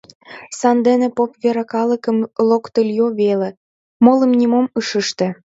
Сандене поп вера калыкым локтыльо веле, молым нимом ыш ыште.